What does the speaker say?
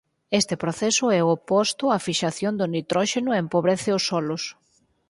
Este proceso é o oposto á fixación do nitróxeno e empobrece os solos.